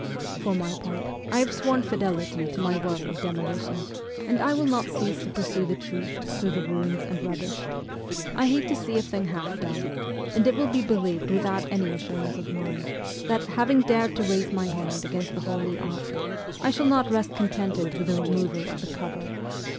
For my part, I have sworn fidelity to my work of demolition, and I will not cease to pursue the truth through the ruins and rubbish. I hate to see a thing half done; and it will be believed without any assurance of mine, that, having dared to raise my hand against the Holy Ark, I shall not rest contented with the removal of the cover.